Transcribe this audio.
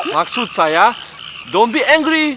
maksud saya jangan marah